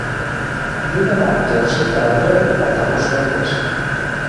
Juguen amb jersei taronja i pantalons negres.